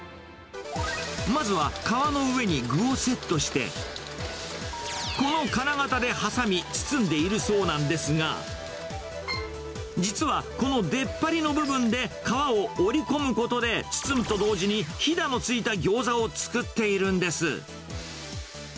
まずは、皮の上に具をセットして、この金型で挟み、包んでいるそうなんですが、実は、このでっぱりの部分で皮を折り込むことで包むと同時に、ひだのついたギョーザを作っているんです。